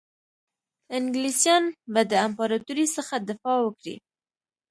انګلیسیان به د امپراطوري څخه دفاع وکړي.